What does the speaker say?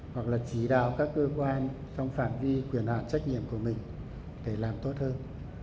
hoặc là chỉ đạo các cơ quan trong phạm vi quyền hạn trách nhiệm của mình để làm tốt hơn